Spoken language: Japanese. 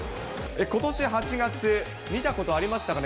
ことし８月、見たことありましたかね？